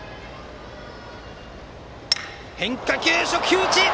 変化球、初球打ち！